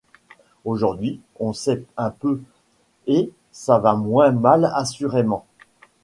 Aujourd’hui, on sait un peu, et ça va moins mal assurément.